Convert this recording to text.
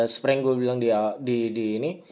seperti yang gue bilang di ini